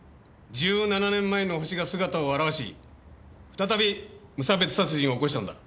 １７年前のホシが姿を現し再び無差別殺人を起こしたんだ。